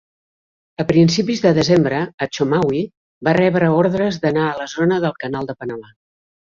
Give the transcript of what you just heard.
A principis de desembre, "Achomawi" va rebre ordres d'anar a la Zona del Canal de Panamà.